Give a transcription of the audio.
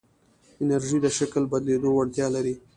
انرژی د شکل بدلېدو وړتیا لري.